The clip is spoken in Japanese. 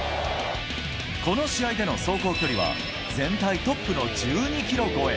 この試合での走行距離は、全体トップの１２キロ超え。